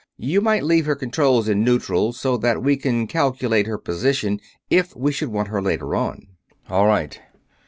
You might leave her controls in neutral, so that we can calculate her position if we should want her later on." "All right."